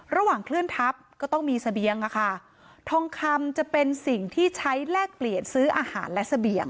เคลื่อนทัพก็ต้องมีเสบียงอะค่ะทองคำจะเป็นสิ่งที่ใช้แลกเปลี่ยนซื้ออาหารและเสบียง